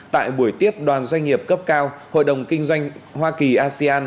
tại buổi tiếp đoàn doanh nghiệp cấp cao hội đồng kinh doanh hoa kỳ asean